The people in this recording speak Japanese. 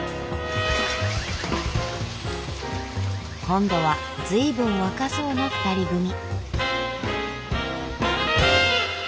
今度は随分若そうな２人組。